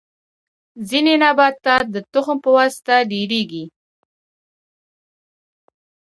ځینې نباتات د تخم په واسطه ډیریږي